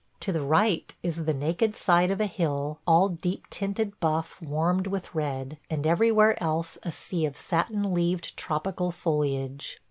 To the right is the naked side of a hill all deep tinted buff warmed with red, and everywhere else a sea of satin leaved tropical foliage.